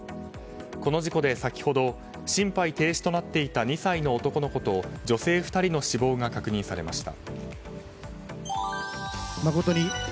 この事故で先ほど心肺停止となっていた２歳の男の子と女性２人の死亡が確認されました。